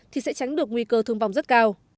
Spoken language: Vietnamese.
thì sẽ tránh được nguy cơ thương vong rất cao